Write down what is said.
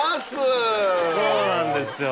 そうなんですよ。